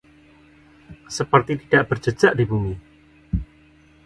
Seperti tidak berjejak di bumi